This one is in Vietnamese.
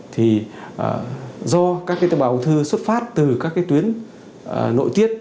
thứ hai là do các tế bào ung thư xuất phát từ các tuyến nội tiết